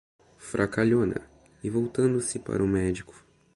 Fracalhona! E voltando-se para o médico: